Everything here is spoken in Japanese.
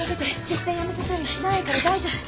絶対辞めさせたりしないから大丈夫。